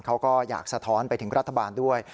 เขาก็อยากสะท้อนไปถึงรัฐบาลด้วย